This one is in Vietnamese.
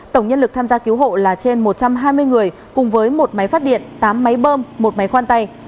tổng nhân lực tham gia cứu hộ là trên một trăm hai mươi người cùng với một máy phát điện tám máy bơm một máy khoan tay